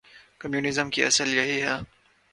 Communism کی اصل یہی ہے۔